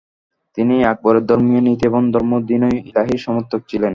তিনি আকবরের ধর্মীয় নীতি এবং ধর্ম দীন-ই-ইলাহির সমর্থক ছিলেন।